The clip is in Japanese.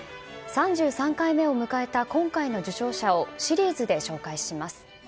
３３回目を迎えた今回の受賞者をシリーズで紹介します。